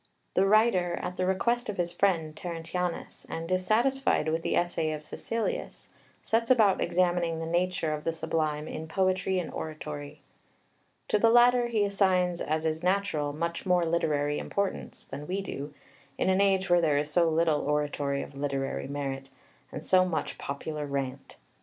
The writer, at the request of his friend, Terentianus, and dissatisfied with the essay of Caecilius, sets about examining the nature of the Sublime in poetry and oratory. To the latter he assigns, as is natural, much more literary importance than we do, in an age when there is so little oratory of literary merit, and so much popular rant.